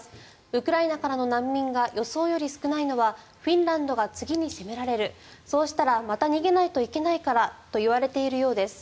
ウクライナからの難民が予想より少ないのはフィンランドが次に攻められるそうしたらまた逃げないといけないからと言われているようです。